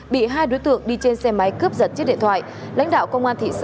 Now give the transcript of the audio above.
bị hai đối tượng đi trên xe máy cướp giật chiếc điện thoại